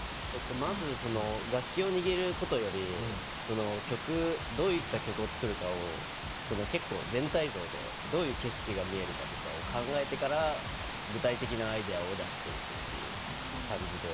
まず楽器を握ることよりどういった曲を作るかを全体像でどういう景色が見えるかとかを考えてから具体的なアイデアを出していくっていう感じで。